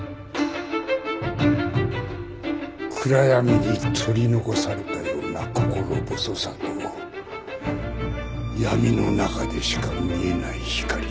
暗闇に取り残されたような心細さと闇の中でしか見えない光。